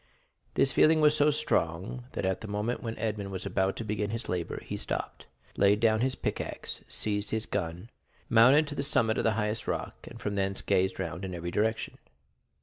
This feeling was so strong that at the moment when Edmond was about to begin his labor, he stopped, laid down his pickaxe, seized his gun, mounted to the summit of the highest rock, and from thence gazed round in every direction.